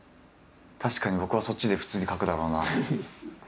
確かに僕はそっちで普通に書くだろうなあ。